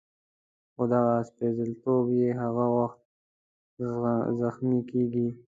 خو دغه سپېڅلتوب یې هغه وخت زخمي کېږي.